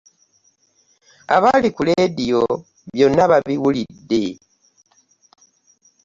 Abali ku leediyo byonna babiwulidde.